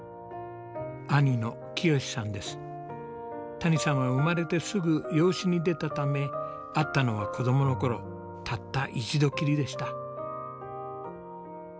谷さんは生まれてすぐ養子に出たため会ったのは子どもの頃たった１度きりでした。